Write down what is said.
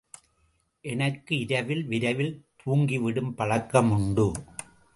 எனக்கு இரவில் விரைவில் தூங்கிவிடும் பழக்கமுண்டு.